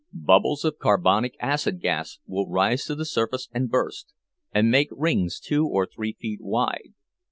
Bubbles of carbonic acid gas will rise to the surface and burst, and make rings two or three feet wide.